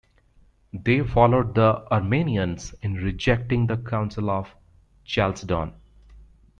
They followed the Armenians in rejecting the Council of Chalcedon.